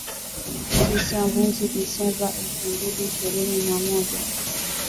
Tisa mwezi Disemba elfu mbili ishirini na moja